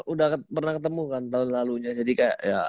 udah pernah ketemu kan tahun lalunya jadi kayak